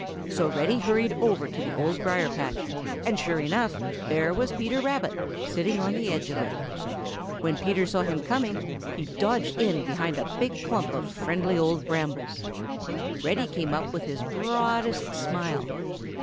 So Reddy hurried over to the Old Briar patch, and sure enough there was Peter Rabbit 'sitting on the edge of it. When Peter saw him coming, he dodged in behind a big clump of friendly old brambles. Reddy came up with his broadest smile.